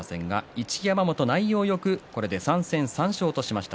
一山本は内容よくこれで３戦３勝としました。